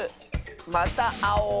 またあおう。